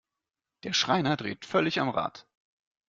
Der Schreiner dreht völlig am Rad.